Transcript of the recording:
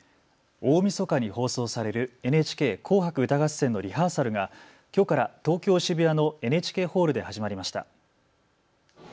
大みそかに放送されるＮＨＫ紅白歌合戦のリハーサルがきょうから東京渋谷のＮＨＫホールで始まりました。